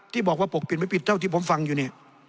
ที่บอกว่าปกปิดไม่ผิดเท่าที่ผมฟังอยู่เนี่ย